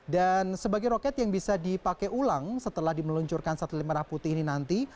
dan sebagai roket yang bisa dipakai ulang setelah dimeluncurkan satelit merah putih ini nanti